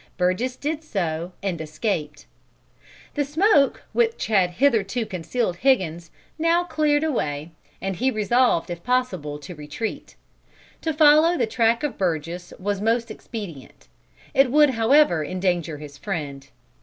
Burgess did so and escaped. "The smoke which had hitherto concealed Higgins now cleared away, and he resolved, if possible, to retreat. To follow the track of Burgess was most expedient. It would, however, endanger his friend.